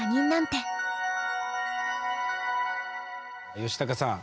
ヨシタカさん